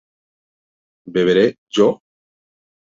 ¿beberé yo?